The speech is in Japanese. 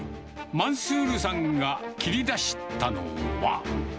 マンスールさんが切り出したのは。